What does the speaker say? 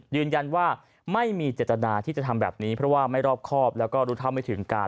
ยืนยันว่าไม่มีเจตนาที่จะทำแบบนี้เพราะว่าไม่รอบครอบแล้วก็รู้เท่าไม่ถึงการ